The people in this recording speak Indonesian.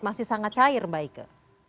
masih sangat cair baike